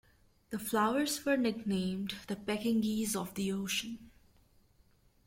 The Flowers were nicknamed "the pekingese of the ocean".